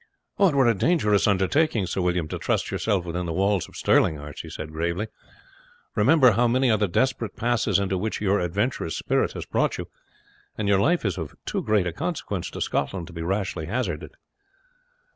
"It were a dangerous undertaking, Sir William, to trust yourself within the walls of Stirling," Archie said gravely. "Remember how many are the desperate passes into which your adventurous spirit has brought you, and your life is of too great a consequence to Scotland to be rashly hazarded."